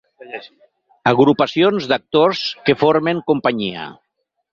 Agrupacions d'actors que formen companyia.